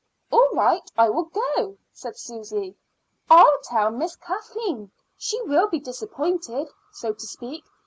"All right, I will go," said Susy. "I'll tell Miss Kathleen; she will be disappointed, so to speak.